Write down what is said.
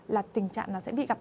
là tình trạng nó sẽ bị gặp